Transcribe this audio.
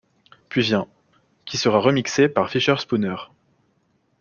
Puis vient ' qui sera remixé par Fischerspooner.